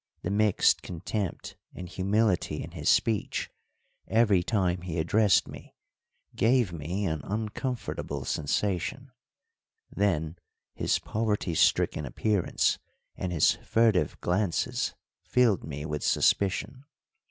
The mixed contempt and humility in his speech every time he addressed me gave me an uncomfortable sensation; then his poverty stricken appearance and his furtive glances filled me with suspicion.